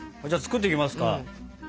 じゃあ作っていきますか？